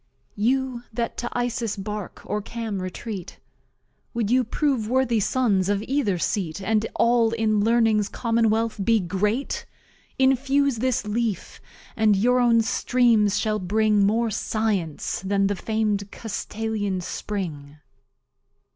You that to Isis's Bark or Cam retreat, Wou'd you prove worthy Sons of either Seat, And All in Learning's Commonwealth be Great? Infuse this Leaf, and your own Streams shall bring More Science than the fam'd Castalian Spring.